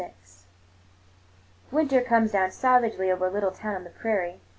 VI WINTER comes down savagely over a little town on the prairie.